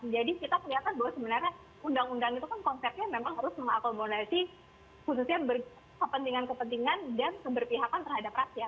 jadi kita melihat bahwa sebenarnya undang undang itu kan konsepnya memang harus mengakomodasi khususnya kepentingan kepentingan dan keberpihakan terhadap rakyat